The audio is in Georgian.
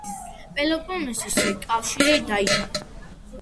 პელოპონესის კავშირი დაიშალა.